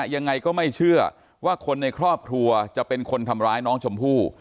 ยังไงก็ไม่เชื่อว่าคนในครอบครัวจะเป็นคนทำร้ายน้องชมพู่